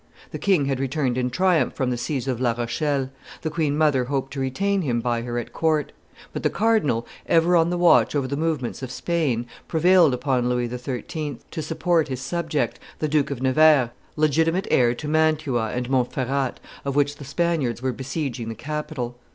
The king had returned in triumph from the siege of La Rochelle; the queen mother hoped to retain him by her at court; but the cardinal, ever on the watch over the movements of Spain, prevailed upon Louis XIII. to support his subject, the Duke of Nevers, legitimate heir to Mantua and Montferrat, of which the Spaniards were besieging the capital.